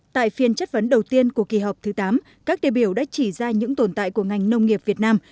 tại phiên chất vấn đầu tiên của kỳ họp thứ tám các đề biểu đã chỉ ra những tồn tại của ngành nông nghiệp việt nam